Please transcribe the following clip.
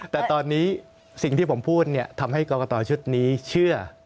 แต่ตอนนี้สิ่งที่ผมพูดทำให้กรกตชุดนี้เชื่อ